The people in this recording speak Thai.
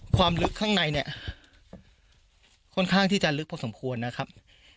ความลึกข้างในเนี่ยค่อนข้างที่จะลึกพอสมควรนะครับ